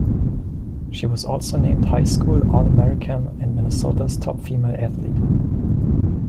She was also named High School All American and Minnesota's top female athlete.